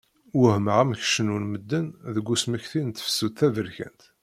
Wehmeɣ amek cennun medden deg usmekti n tefsut taberkant!